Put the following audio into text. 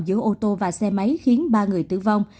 giữa ô tô và xe máy khiến ba người tử vong